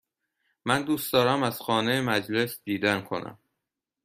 من دوست دارم از خانه مجلس دیدن کنم.